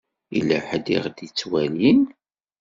Yella ḥedd i ɣ-d-ittwalin.